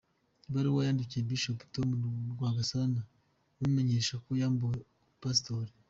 Ibaruwa yandikiwe Bishop Tom Rwagasana imumenyesha ko yambuwe ubupasitori.